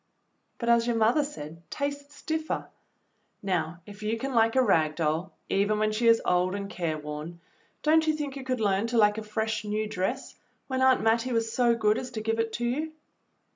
"But as your mother said, 'tastes differ.' Now if you can like a rag doll even when she is old and care worn, don't you think you could learn to like a fresh new dress, when Aunt JMattie was so good as to give it to you.?"